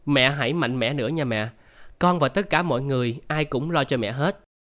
mẹ hãy mạnh mẽ nữa nhà mẹ con và tất cả mọi người ai cũng lo cho mẹ hết